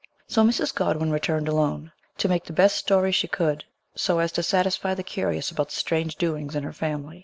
So Mrs. Godwin returned alone, to make the best story she could so as to satisfy the curious about the strange doings in her family.